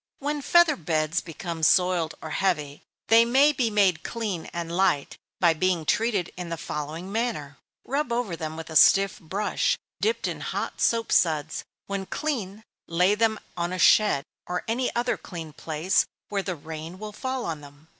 _ When feather beds become soiled or heavy, they may be made clean and light by being treated in the following manner: Rub them over with a stiff brush, dipped in hot soap suds. When clean, lay them on a shed, or any other clean place, where the rain will fall on them.